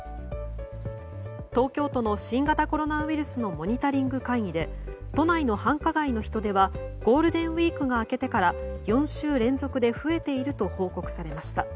東京都の新型コロナウイルスのモニタリング会議で都内の繁華街の人出はゴールデンウィークが明けてから４週連続で増えていると報告されました。